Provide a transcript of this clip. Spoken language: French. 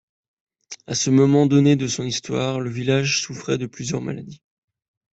A ce moment donné de son histoire, le village souffrait de plusieurs maladies.